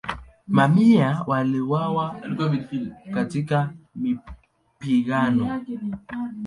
Mamia waliuawa katika mapigano.